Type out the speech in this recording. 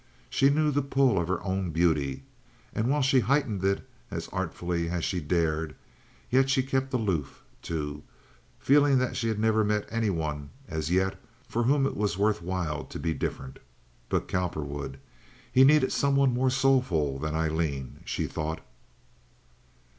She knew the pull of her own beauty, and, while she heightened it as artfully as she dared, yet she kept aloof, too, feeling that she had never met any one as yet for whom it was worth while to be different. But Cowperwood—he needed someone more soulful than Aileen, she thought.